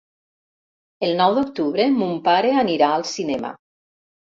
El nou d'octubre mon pare anirà al cinema.